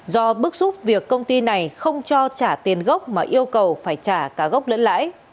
do bức xúc việc công ty này không cho trả tiền gốc mà yêu cầu phải trả cả gốc lẫn lãi